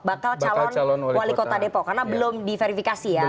bakal calon wali kota depok karena belum diverifikasi ya